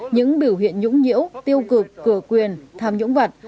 những biểu hiện nhũng nhiễu tiêu cực cửa quyền tham nhũng vật